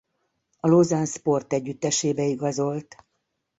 A Lausanne-Sport együttesébe igazolt.